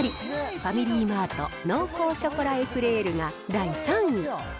ファミリーマート、濃厚ショコラエクレールが第３位。